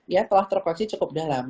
ya telah terkoreksi cukup dalam